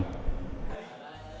kỹ năng sống và kỹ năng dự phòng